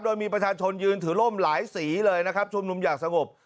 โดยมีประชาชนยืนถือร่มหลายสีเลยนะครับชุมนุมอย่างสงบ